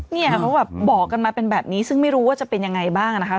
เนี่ยเขาแบบบอกกันมาเป็นแบบนี้ซึ่งไม่รู้ว่าจะเป็นยังไงบ้างนะคะ